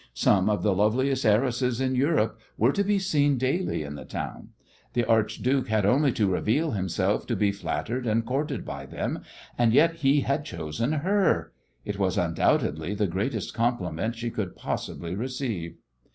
Some of the loveliest heiresses in Europe were to be seen daily in the town. The archduke had only to reveal himself to be flattered and courted by them, and yet he had chosen her! It was undoubtedly the greatest compliment she could possibly receive.